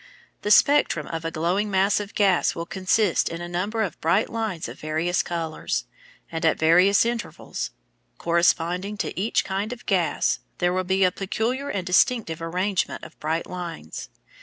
The spectrum of a glowing mass of gas will consist in a number of bright lines of various colours, and at various intervals; corresponding to each kind of gas, there will be a peculiar and distinctive arrangement of bright lines.